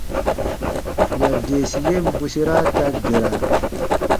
Yadeesi yen bwesera ta dera.